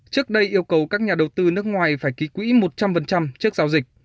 trước đây yêu cầu các nhà đầu tư nước ngoài phải ký quỹ một trăm linh trước giao dịch